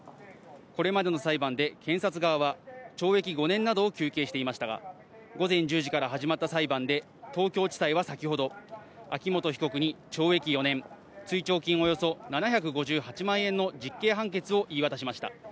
これまでの裁判で検察側は懲役５年などを求刑していましたが、午前１０時から始まった裁判で東京地裁は先ほど秋元被告に懲役４年、追徴金およそ７５８万円の実刑判決を言い渡しました。